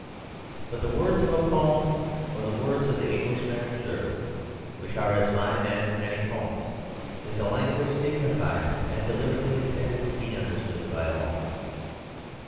But the words of a poem or the words of the English Marriage Service, which are as fine as many poems, is a language dignified and deliberately intended to be understood by all.